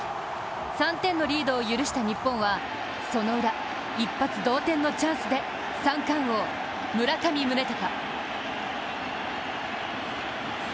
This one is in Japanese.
３点のリードを許した日本はそのウラ一発同点のチャンスで三冠王・村上宗隆。